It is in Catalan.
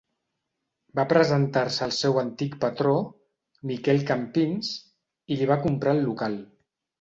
Va presentar-se al seu antic patró, Miquel Campins, i li va comprar el local.